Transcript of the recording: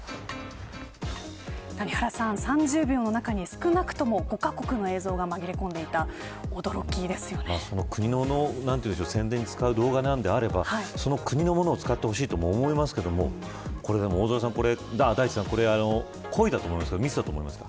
谷原さん、３０秒の中に少なくとも５カ国の映像が国の宣伝に使う動画なんであればその国のものを使ってほしいと思いますけれども大地さん、これ故意だと思いますか。